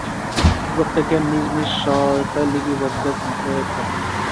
প্রত্যেকের নিজ নিজ সহায়তা লিপিবদ্ধ হয়ে থাকে।